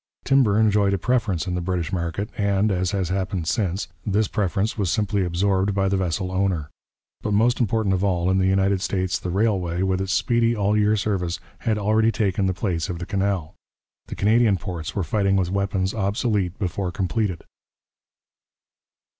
Timber enjoyed a preference in the British market, and, as has happened since, this preference was simply absorbed by the vessel owner. But most important of all, in the United States the railway, with its speedy, all year service, had already taken the place of the canal. The Canadian ports were fighting with weapons obsolete before completed.